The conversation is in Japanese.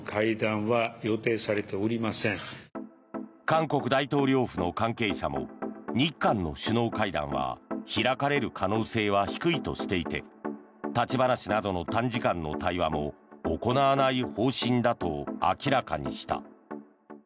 韓国大統領府の関係者も日韓の首脳会談は開かれる可能性は低いとしていて立ち話などの短時間の対話も行わない方針だと明らかにした。